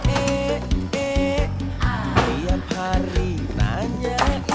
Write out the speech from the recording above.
eh eh tiap hari nanyain aku